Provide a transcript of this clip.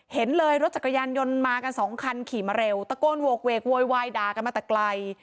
เห็นเลยรถจักรยานยนต์มากันสองคันขี่มาเร็วตะโกนโหกเวกโวยวายด่ากันมาแต่ไกล